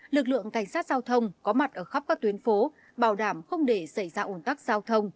lực lượng cảnh sát giao thông có mặt ở khắp các tuyến phố bảo đảm không để xảy ra ủn tắc giao thông